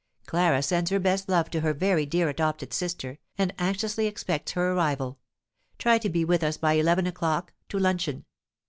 Clara sends her best love to her very dear adopted sister, and anxiously expects her arrival. Try to be with us by eleven o'clock, to luncheon.